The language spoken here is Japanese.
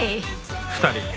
２人。